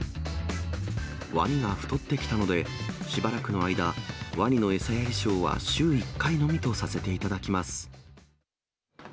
ワニが太ってきたので、しばらくの間、ワニの餌やりショーは週１回のみとさせていただきます。